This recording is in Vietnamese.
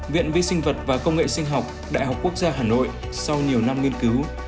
viện vi sinh vật và công nghệ sinh học đại học quốc gia hà nội sau nhiều năm nghiên cứu